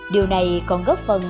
điều này còn góp phần